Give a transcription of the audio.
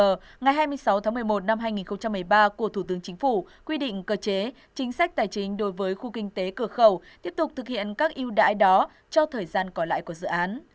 ngày hai mươi sáu tháng một mươi một năm hai nghìn một mươi ba của thủ tướng chính phủ quy định cơ chế chính sách tài chính đối với khu kinh tế cửa khẩu tiếp tục thực hiện các yêu đãi đó cho thời gian còn lại của dự án